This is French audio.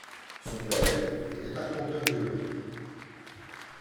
Son père était arpenteur-géomètre.